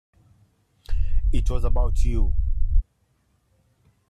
It was about you.